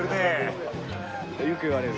よく言われる。